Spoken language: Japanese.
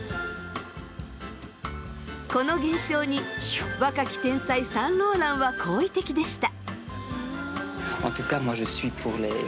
この現象に若き天才サンローランは好意的でした。